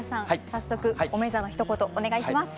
早速おめざのひと言お願いします。